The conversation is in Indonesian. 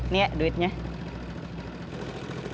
nggak doang yang kecilan